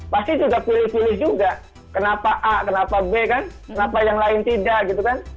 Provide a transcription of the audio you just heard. pasti juga pilih pilih juga kenapa a kenapa b kan kenapa yang lain tidak gitu kan